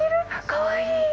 かわいい！